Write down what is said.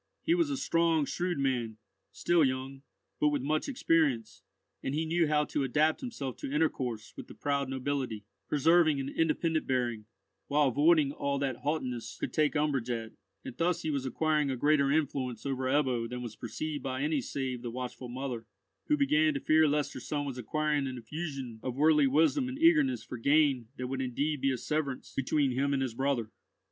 He was a strong, shrewd man, still young, but with much experience, and he knew how to adapt himself to intercourse with the proud nobility, preserving an independent bearing, while avoiding all that haughtiness could take umbrage at; and thus he was acquiring a greater influence over Ebbo than was perceived by any save the watchful mother, who began to fear lest her son was acquiring an infusion of worldly wisdom and eagerness for gain that would indeed be a severance between him and his brother.